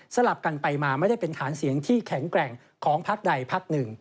ลับกันไปมาไม่ได้เป็นฐานเสียงที่แข็งแกร่งของพักใดพักหนึ่ง